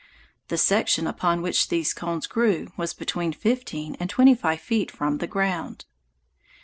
The section upon which these cones grew was between fifteen and twenty five feet from the ground.